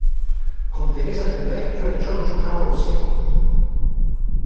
Con Teresa Del Vecchio e Giorgio Carosi.